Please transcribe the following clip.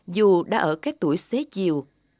dù đã ở các tuổi xế chiều